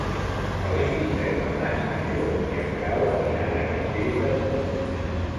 El vint-i-tres de maig en Llop i en Grau aniran a Castell de Mur.